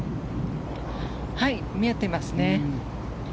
見えていますね。